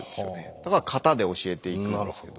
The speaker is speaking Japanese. だから型で教えていくんですけど。